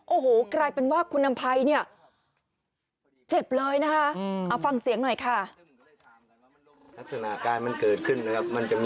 โอ้โหกลายเป็นว่าคุณอำภัยเนี่ยเจ็บเลยนะคะ